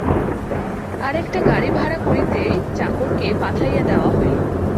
আর-একটা গাড়ি ভাড়া করিতে চাকরকে পাঠাইয়া দেওয়া হইল।